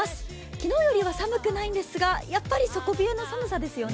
昨日よりは寒くないんですが、やっぱり底冷えの寒さでたすよね。